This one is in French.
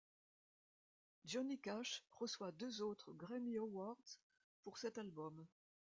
Johnny Cash reçoit deux autres Grammy Awards pour cet album.